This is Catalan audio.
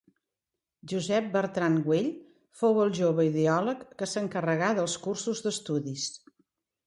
Josep Bertran Güell fou el jove ideòleg que s’encarregà dels cursos d’estudis.